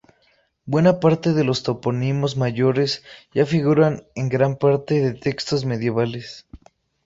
Buena parte de los topónimos mayores ya figuran en gran parte de textos medievales.